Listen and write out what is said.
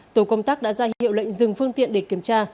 tổ công tác đã ra hiệu lệnh dừng phương tiện để kiểm tra